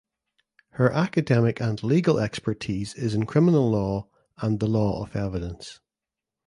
Her academic and legal expertise is in criminal law and the law of evidence.